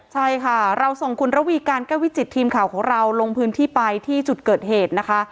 ใช่ค่ะเราส่งคุณระวีการแก้ววิจิตทีมข่าวของเราลงพื้นที่ไปที่จุดเกิดเหตุนะคะ